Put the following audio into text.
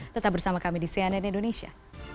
tetap bersama kami di cnn indonesia